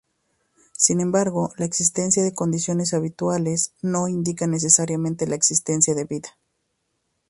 Sin embargo, la existencia de condiciones habitables no indica necesariamente la existencia de vida.